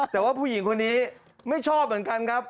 แต่ว่าผู้หญิงคนนี้ไม่ชอบเหมือนกันครับ